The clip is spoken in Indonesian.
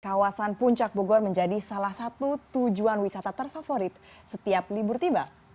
kawasan puncak bogor menjadi salah satu tujuan wisata terfavorit setiap libur tiba